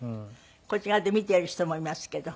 こっち側で見てる人もいますけど。